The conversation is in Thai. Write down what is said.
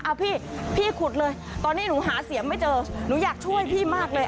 เอาพี่พี่ขุดเลยตอนนี้หนูหาเสียงไม่เจอหนูอยากช่วยพี่มากเลย